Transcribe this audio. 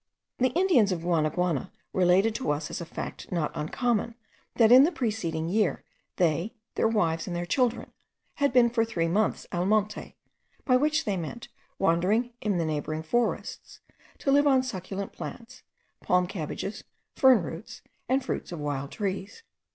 The Indians of Guanaguana related to us as a fact not uncommon, that in the preceding year they, their wives, and their children, had been for three months al monte; by which they meant, wandering in the neighbouring forests, to live on succulent plants, palm cabbages, fern roots, and fruits of wild trees.